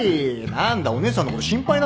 何だお姉さんのこと心配なんだ。